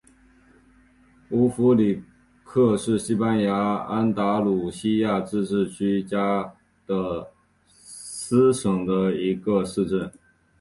乌夫里克是西班牙安达卢西亚自治区加的斯省的一个市镇。